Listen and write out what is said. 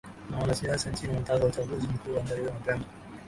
na wanasiasa nchini wanataka uchaguzi mkuu uandaliwe mapema